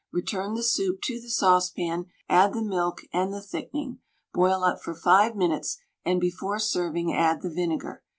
Return the soup to the saucepan, add the milk and the thickening, boil up for five minutes, and before serving add the vinegar.